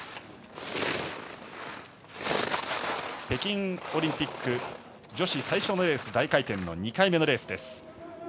北京オリンピック女子最初のレース大回転の２回目のレース。